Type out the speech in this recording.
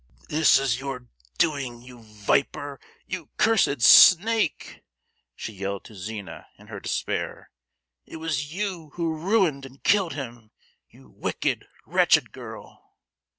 "This is your doing, you viper, you cursed snake," she yelled to Zina, in her despair; "it was you ruined and killed him, you wicked, wretched girl."